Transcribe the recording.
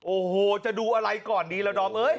โอ้โหจะดูอะไรก่อนดีละดอมเอ้ย